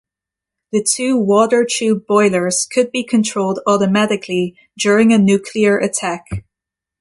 The two water-tube boilers could be controlled automatically during a nuclear attack.